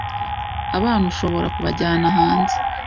abana ushobora kubajyana hanze